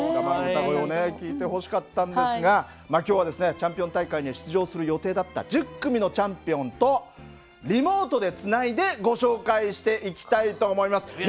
生の歌声をね聴いてほしかったんですが今日はですねチャンピオン大会に出場する予定だった１０組のチャンピオンとリモートでつないでご紹介していきたいと思います。